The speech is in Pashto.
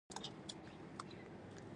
ستا له غمه داسې شورش راپېښیږي.